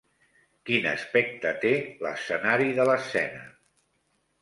Quin aspecte té l'escenari de l'escena?